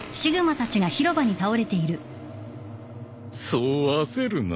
そう焦るな。